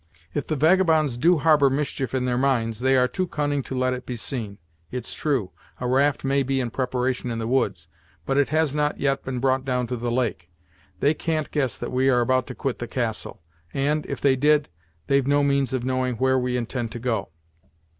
"If the vagabonds do harbor mischief in their minds, they are too cunning to let it be seen; it's true, a raft may be in preparation in the woods, but it has not yet been brought down to the lake. They can't guess that we are about to quit the castle, and, if they did, they've no means of knowing where we intend to go."